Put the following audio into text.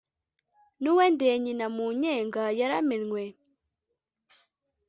n'uwendeye nyina mu nyenga yaramenywe